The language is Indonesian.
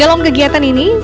dalam kegiatan ini